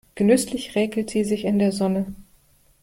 Genüsslich räkelt sie sich in der Sonne.